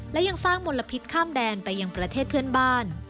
และยังสร้างมลพิษข้ามแดนไปยังประเทศเพื่อนบ้าน